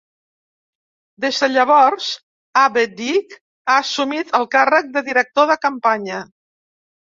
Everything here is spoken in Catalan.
Des de llavors, Abe Dyk ha assumit el càrrec de director de campanya.